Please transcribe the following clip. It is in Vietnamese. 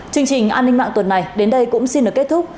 chương trình an ninh mạng tuần này đến đây cũng xin được kết thúc